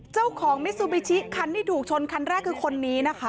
เจ้าของมิซูบิชิคันที่ถูกชนคันแรกคือคนนี้นะคะ